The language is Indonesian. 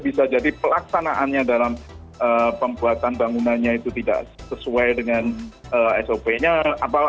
bisa jadi pelaksanaannya dalam pembuatan bangunannya itu tidak sesuai dengan sop nya